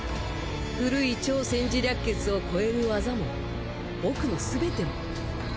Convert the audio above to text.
古い『超・占事略決』を超える技も僕のすべても。